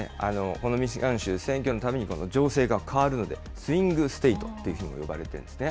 このミシガン州、選挙のたびに情勢が変わるので、スイングステイトっていうふうにも呼ばれているんですね。